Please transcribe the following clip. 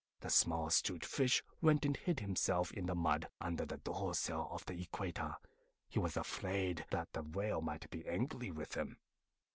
The small 'Stute Fish went and hid himself in the mud under the Door sills of the Equator. He was afraid that the Whale might be angry with him.